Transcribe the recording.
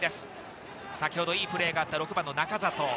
先ほどいいプレーがあった６番の仲里。